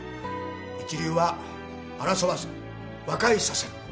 一流は争わず和解させる。